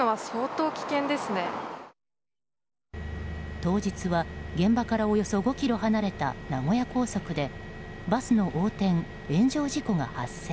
当日は現場からおよそ５ｋｍ離れた名古屋高速でバスの横転・炎上事故が発生。